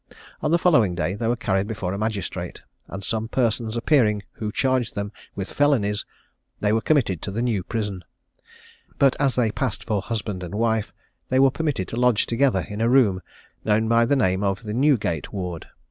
On the following day they were carried before a magistrate, and some persons appearing who charged them with felonies, they were committed to the New Prison; but as they passed for husband and wife, they were permitted to lodge together in a room known by the name of the Newgate ward.